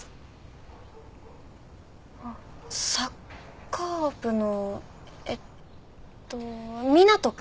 あっサッカー部のえっと湊斗君？